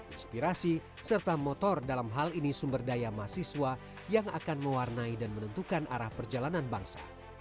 inspirasi serta motor dalam hal ini sumber daya mahasiswa yang akan mewarnai dan menentukan arah perjalanan bangsa